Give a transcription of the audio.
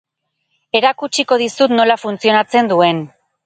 Erakutsiko dizut nola funtzionatzen duen.